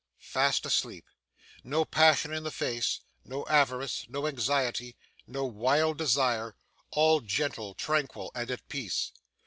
Fast asleep. No passion in the face, no avarice, no anxiety, no wild desire; all gentle, tranquil, and at peace.